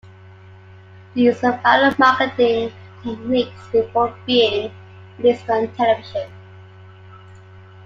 The used viral marketing techniques before being released on television.